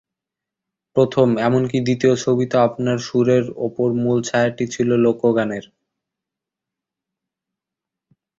প্রথম, এমনকি দ্বিতীয় ছবিতেও আপনার সুরের ওপর মূল ছায়াটি ছিল লোকগানের।